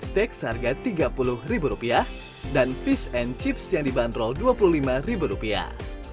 steak seharga tiga puluh ribu rupiah dan fish and chips yang dibanderol dua puluh lima ribu rupiah